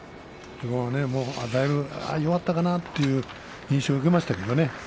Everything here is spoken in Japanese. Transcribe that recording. だいぶ弱ったかなという印象を受けましたけれどね。